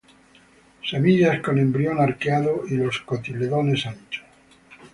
Semillas con embrión arqueado y los cotiledones anchos.